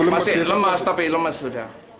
masih lemas tapi lemas sudah